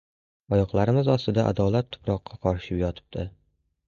Oyoqlarimiz ostida! Adolat tuproqqa qorishib yotibdi!